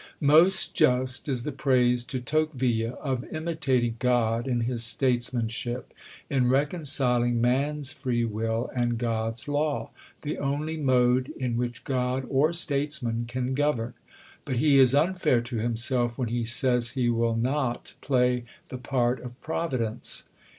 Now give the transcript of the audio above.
Most just is the praise to Tocqueville of imitating God in his statesmanship in reconciling Man's Free Will and God's Law the only mode in which God or statesman can govern. But he is unfair to himself when he says he will not "play the part of Providence."